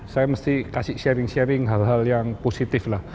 saya mesti kasih sharing sharing hal hal yang positif lah